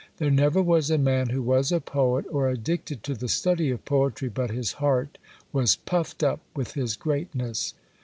'There never was a man who was a poet, or addicted to the study of poetry, but his heart was puffed up with his greatness.'